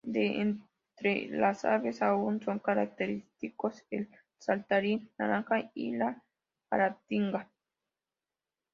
De entre las aves, aún son característicos el saltarín naranja y la aratinga.